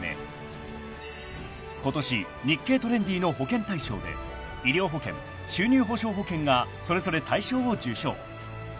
［ことし『日経トレンディ』の保険大賞で医療保険収入保障保険がそれぞれ大賞を受賞］